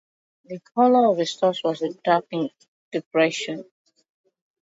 The colour of his thoughts was a dark depression.